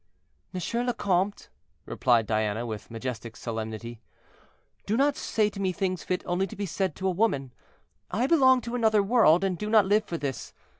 "M. le Comte," replied Diana, with majestic solemnity, "do not say to me things fit only to be said to a woman; I belong to another world, and do not live for this.